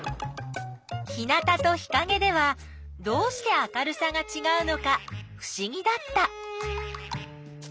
日なたと日かげではどうして明るさがちがうのかふしぎだった。